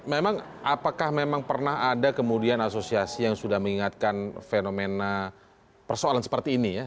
memang apakah memang pernah ada kemudian asosiasi yang sudah mengingatkan fenomena persoalan seperti ini ya